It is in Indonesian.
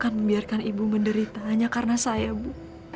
saya gak akan biarkan ibu menderita hanya karena saya bu